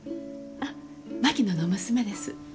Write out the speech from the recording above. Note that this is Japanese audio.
あ槙野の娘です。